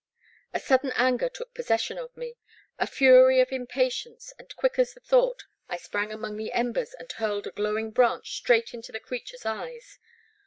A sudden anger took possession of me, a fury of impatience, and quick as the thought, I sprang among the embers and hurled a glowing branch straight into the creature's eyes.